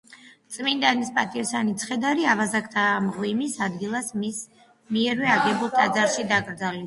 წმიდანის პატიოსანი ცხედარი ავაზაკთა მღვიმის ადგილას მის მიერვე აგებულ ტაძარში დაკრძალეს.